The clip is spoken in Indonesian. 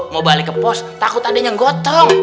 mau balik ke pos takut adanya gotong